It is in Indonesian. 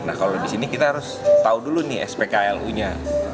nah kalau di sini kita harus tahu dulu nih spklu nya